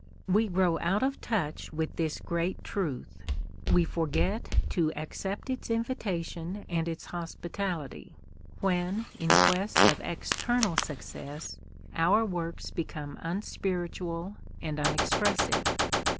We grow out of touch with this great truth, we forget to accept its invitation and its hospitality, when in quest of external success our works become unspiritual and unexpressive.